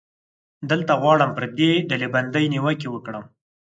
دلته غواړم پر دې ډلبندۍ نیوکې وکړم.